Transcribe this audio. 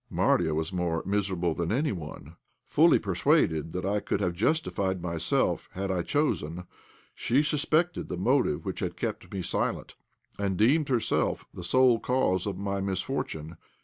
Marya was more miserable than anyone. Fully persuaded that I could have justified myself had I chosen, she suspected the motive which had kept me silent, and deemed herself the sole cause of my misfortune.